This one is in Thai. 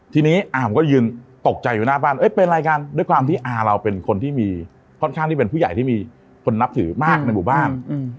ทีนี้อามก็ยืนตกใจอยู่หน้าบ้านเป็นอะไรกันด้วยความที่อาเราเป็นคนที่มีค่อนข้างที่เป็นผู้ใหญ่ที่มีคนนับถือมากในหมู่บ้าน